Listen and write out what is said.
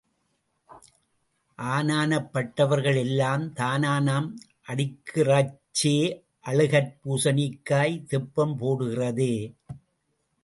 ஆனானப் பட்டவர்கள் எல்லாம் தானானம் அடிக்கறச்சே அழுகற் பூசணிக்காய் தெப்பம் போடுகிறதே!